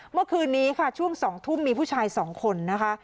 เมื่อคืนนี้ค่ะช่วง๒ทุ่มมีผู้ชาย๒คนนะคะ